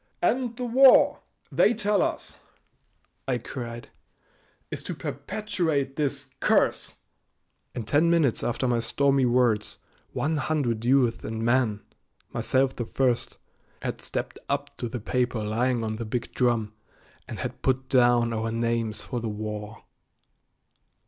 "And the war, they tell us," I cried, "is to perpetuate this curse!" In ten minutes after my stormy words one hundred youths and men, myself the first, had stepped up to the paper lying on the big drum and had put down our names for the war.